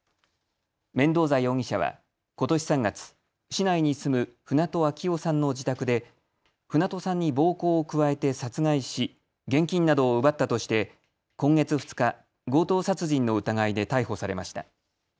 メンドーザ容疑者はことし３月、市内に住む船戸秋雄さんの自宅で船戸さんに暴行を加えて殺害し現金などを奪ったとして今月２日、強盗殺人の疑いで逮捕されました。